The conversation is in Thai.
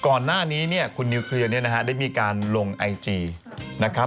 ก่อนหน้านี้คุณนิวเคลียร์ได้มีการลงไอจีนะครับ